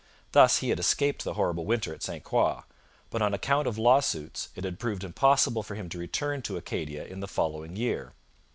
Thus he had escaped the horrible winter at St Croix, but on account of lawsuits it had proved impossible for him to return to Acadia in the following year.